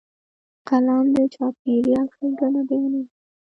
قلم د چاپېریال ښېګڼه بیانوي